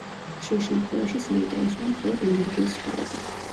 ხშირ შემთხვევაში საინტერესოა მხოლოდ ენერგიის სხვაობა.